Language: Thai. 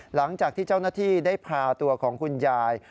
หลังจากที่เจ้าหน้าที่ได้พาตัวของคุณยาย